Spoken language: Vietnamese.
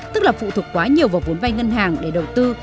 tức là phụ thuộc quá nhiều vào vốn vay ngân hàng để đầu tư